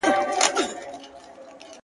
او خپل څادر يې تر خپل څنگ هوار کړ ـ